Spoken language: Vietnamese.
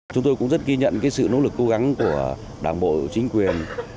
chúng tôi cũng rất ghi nhận sự nỗ lực cố gắng của đảng bộ chính quyền